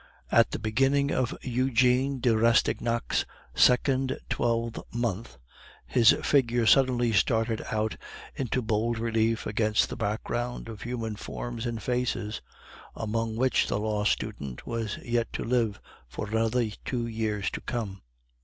At the beginning of Eugene de Rastignac's second twelvemonth, this figure suddenly started out into bold relief against the background of human forms and faces among which the law student was yet to live for another two years to come.